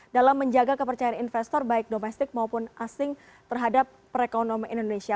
dalam menjaga kepercayaan investor baik domestik maupun asing terhadap perekonomian indonesia